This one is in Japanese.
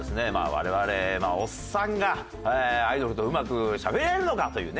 我々おっさんがアイドルとうまくしゃべれるのかというね